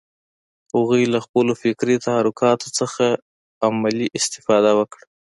هغوی له خپلو فکري تحرکات څخه عملي استفاده وکړه